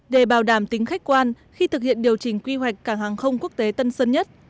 để bảo đảm tính khách quan khi thực hiện điều chỉnh quy hoạch cảng hàng không quốc tế tân sơn nhất